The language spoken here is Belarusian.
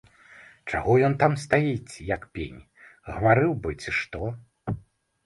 Чаго ён стаіць там, як пень, гаварыў бы, ці што.